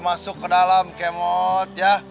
masuk ke dalam kemot ya